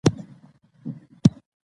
موږ باید د کورنۍ د ګډو پریکړو احترام وکړو